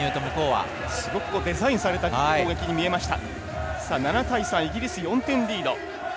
すごくデザインされた攻撃に見えました。